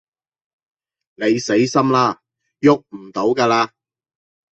你死心啦，逳唔到㗎喇